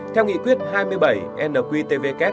theo nghị quyết hai mươi bảy nqtvk